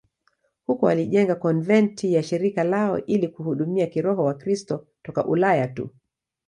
Huko walijenga konventi ya shirika lao ili kuhudumia kiroho Wakristo toka Ulaya tu.